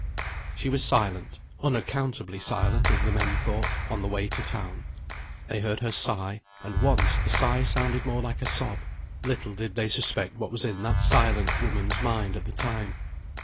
She was silent unaccountably silent as the men thought on the way to the town. They heard her sigh: and, once, the sigh sounded more like a sob; little did they suspect what was in that silent woman's mind at the time.